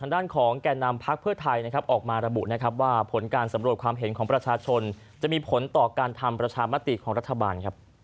ด้านของแก่นำพักเพื่อไทยนะครับออกมาระบุนะครับว่าผลการสำรวจความเห็นของประชาชนจะมีผลต่อการทำประชามติของรัฐบาล